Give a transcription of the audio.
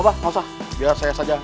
oh bapak gausah biar saya saja